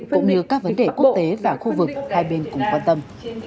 cũng như các vấn đề quốc tế và khu vực hai bên cùng quan tâm